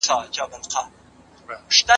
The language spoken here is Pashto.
په علمي مرحله کي بشر د قوانينو په لټه کي وي.